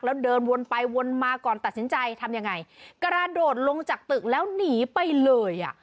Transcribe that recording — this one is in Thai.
แล้วเดินวนไปวนมาก่อนตัดสินใจทำยังไงกระโดดลงจากตึกแล้วหนีไปเลยอ่ะ